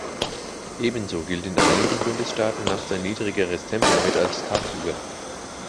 Ebenso gilt in einigen Bundesstaaten nachts ein niedrigeres Tempolimit als tagsüber.